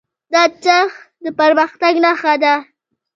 دا څرخ د پرمختګ نښه ده.